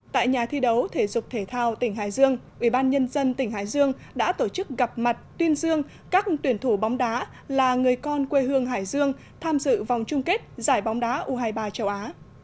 tại nhà thi đấu thể dục thể thao tỉnh hải dương ubnd tỉnh hải dương đã tổ chức gặp mặt tuyên dương các tuyển thủ bóng đá là người con quê hương hải dương tham dự vòng chung kết giải bóng đá u hai mươi ba châu á